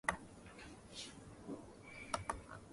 Gassendi attacked Fludd's neo-Platonic position.